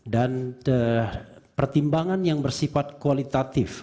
dan pertimbangan yang bersifat kualitatif